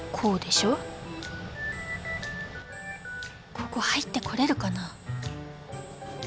ここ入ってこれるかなあ？